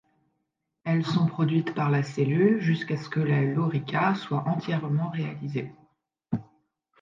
Elles sont produites par la cellule jusqu'à ce que la lorica soit entièrement réalisée.